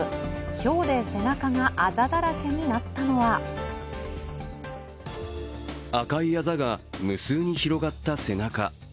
ひょうで背中があざだらけになったのは赤いあざが無数に広がった背中。